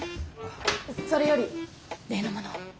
それより例のものを。